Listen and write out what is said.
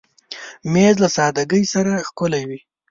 مېز له سادګۍ سره ښکلی وي.